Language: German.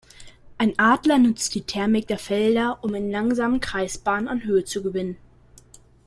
Ein Adler nutzt die Thermik der Felder, um in langsamen Kreisbahnen an Höhe zu gewinnen.